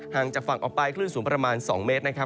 ห่างจากฝั่งออกไปคลื่นสูงประมาณ๒เมตร